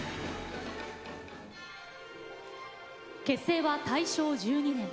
結成は大正１２年。